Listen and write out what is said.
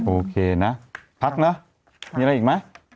โอเคนะพักเนอะมีอะไรอีกไหม